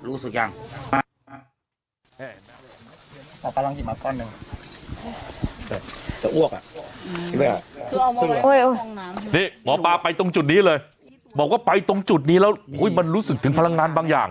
นี่หมอปลาไปตรงจุดนี้เลยบอกว่าไปตรงจุดนี้แล้วมันรู้สึกถึงพลังงานบางอย่าง